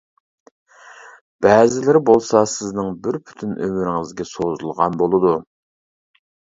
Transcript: بەزىلىرى بولسا سىزنىڭ بىر پۈتۈن ئۆمرىڭىزگە سوزۇلغان بولىدۇ.